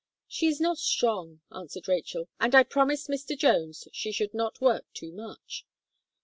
"She is not strong," answered Rachel; "and I promised Mr. Jones she should not work too much."